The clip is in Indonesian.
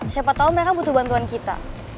siapa tahu mereka butuh bantuan kita